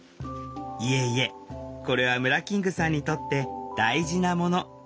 いえいえこれはムラキングさんにとって大事なもの。